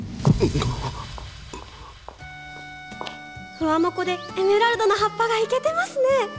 フワモコでエメラルドな葉っぱがイケてますね。